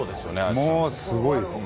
もうすごいです。